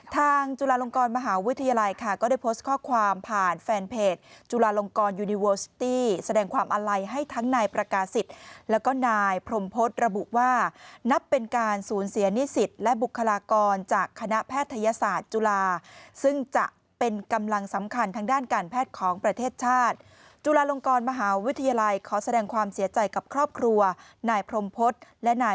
ทางจุฬาลงกรมหาวิทยาลัยค่ะก็ได้โพสต์ข้อความผ่านแฟนเพจจุฬาลงกรยูนิเวิร์สตี้แสดงความอะไรให้ทั้งนายประกาศิษฐ์แล้วก็นายพรมพจน์ระบุว่านับเป็นการสูญเสียหนี้สิทธิ์และบุคลากรจากคณะแพทยศาสตร์จุฬาซึ่งจะเป็นกำลังสำคัญทางด้านการแพทย์ของประเทศชาติจุฬาลงกรมหา